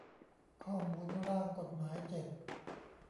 ข้อมูลร่างกฏหมาย เจ็ด